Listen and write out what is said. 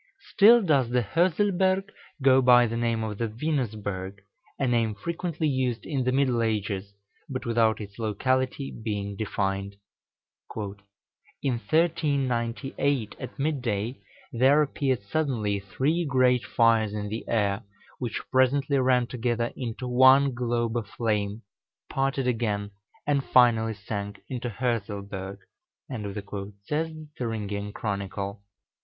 Still does the Hörselberg go by the name of the Venusberg, a name frequently used in the middle ages, but without its locality being defined. "In 1398, at midday, there appeared suddenly three great fires in the air, which presently ran together into one globe of flame, parted again, and finally sank into the Hörselberg," says the Thüringian Chronicle.